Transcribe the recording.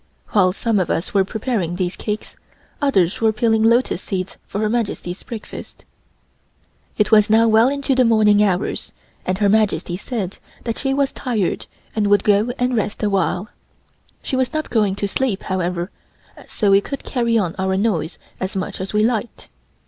While some of us were preparing these cakes, others were peeling lotus seeds for Her Majesty's breakfast. It was now well on into the morning hours and Her Majesty said that she was tired and would go and rest a while. She was not going to sleep, however, so we could carry on our noise as much as we liked.